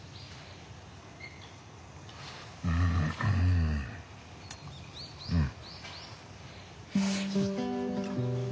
うんうん。